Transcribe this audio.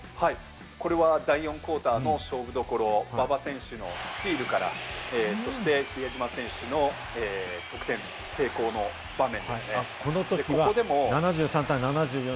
これは第４クオーターの勝負所、馬場選手のスティールから、比江島選手の得点成功の場面。